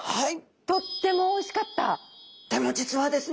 でも実はですね